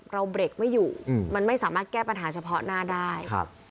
เบรกไม่อยู่มันไม่สามารถแก้ปัญหาเฉพาะหน้าได้